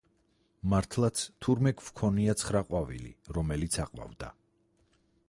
მართლაც, თურმე გვქონია ცხრა ყვავილი, რომელიც აყვავდა.